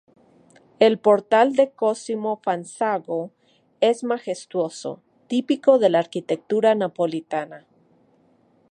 El portal de Cosimo Fanzago es majestuoso, típico de la arquitectura napolitana.